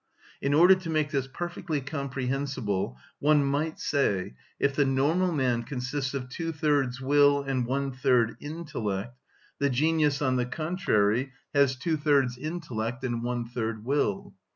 In order to make this perfectly comprehensible one might say: if the normal man consists of two‐thirds will and one‐third intellect, the genius, on the contrary, has two‐thirds intellect and one‐ third will.